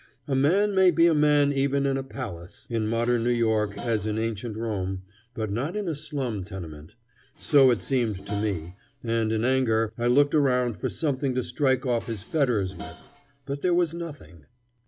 "A man may be a man even in a palace" in modern New York as in ancient Rome, but not in a slum tenement. So it seemed to me, and in anger I looked around for something to strike off his fetters with. But there was nothing.